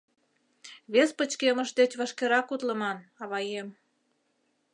— Вес пычкемыш деч вашкерак утлыман, аваем...